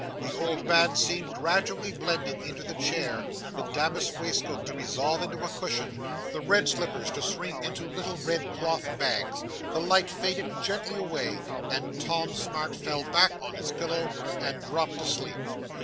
The old man seemed gradually blending into the chair, the damask waistcoat to resolve into a cushion, the red slippers to shrink into little red cloth bags. The light faded gently away, and Tom Smart fell back on his pillow, and dropped asleep.